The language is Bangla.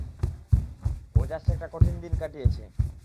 ও জাস্ট একটা কঠিন দিন কাটিয়েছে।